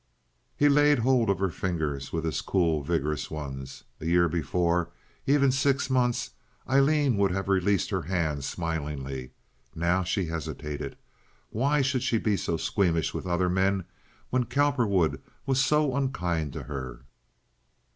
He laid hold of her fingers with his cool, vigorous ones. A year before, even six months, Aileen would have released her hand smilingly. Now she hesitated. Why should she be so squeamish with other men when Cowperwood was so unkind to her?